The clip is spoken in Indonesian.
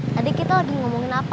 tadi kita udah ngomongin apa